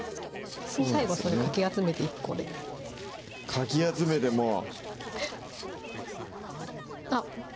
最後かき集めて１個でかき集めてもうあっ